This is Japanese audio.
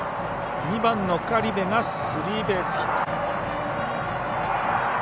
２番の苅部がスリーベースヒット。